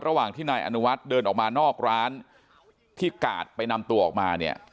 ระหว่างที่นายอนุวัฒน์เดินออกมานอกร้านที่กาดไปนำตัวออกมาเนี่ย